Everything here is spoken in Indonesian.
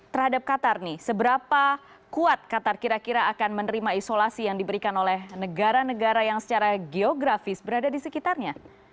terhadap qatar nih seberapa kuat qatar kira kira akan menerima isolasi yang diberikan oleh negara negara yang secara geografis berada di sekitarnya